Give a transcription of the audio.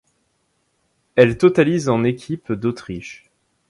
Elle totalise en équipe d'Autriche.